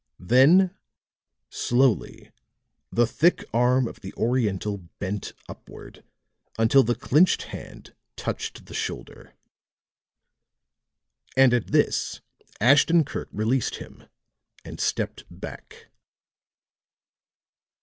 Then, slowly, the thick arm of the Oriental bent upward until the clinched hand touched the shoulder; and at this Ashton Kirk released him and stepped back.